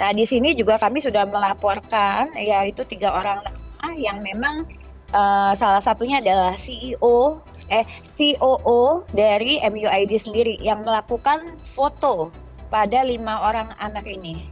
nah di sini juga kami sudah melaporkan yaitu tiga orang yang memang salah satunya adalah coo dari muid sendiri yang melakukan foto pada lima orang anak ini